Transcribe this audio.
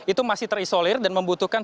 itu masih terisolir dan membutuhkan